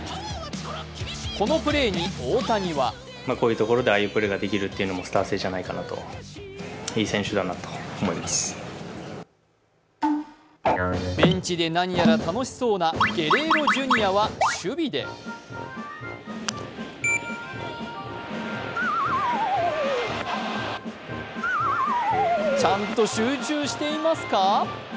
このプレーに大谷はベンチで何やら楽しそうなゲレーロ・ジュニアは守備でちゃんと集中していますか？